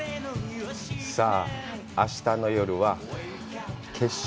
さあ、あしたの夜は決勝。